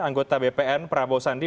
anggota bpn prabowo sandi